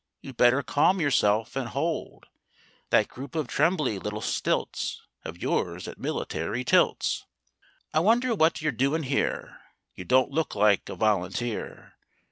You'd better calm yourself and hold That group of trembly little stilts Of yours at military tilts! I wonder what you're doin' here? You don't look like a volunteer!